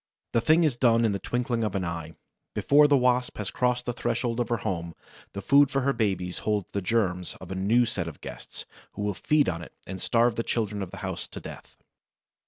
The thing is done in the twinkling of an eye; before the Wasp has crossed the threshold of her home, the food for her babies holds the germs of a new set of guests, who will feed on it and starve the children of the house to death.